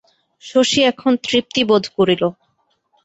শশী এখন তৃপ্তি বোধ করিল।